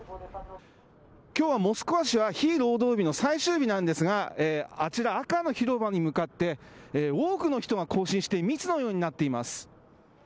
きょうはモスクワ市は非労働日の最終日なんですが、あちら、赤の広場に向かって、多くの人が行進して密のようになっています。